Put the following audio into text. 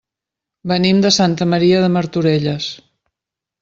Venim de Santa Maria de Martorelles.